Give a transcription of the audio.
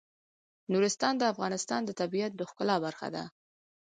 نورستان د افغانستان د طبیعت د ښکلا برخه ده.